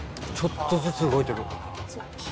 ちょっとずつ動いてる。